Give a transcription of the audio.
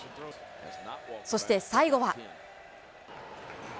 そして最後は。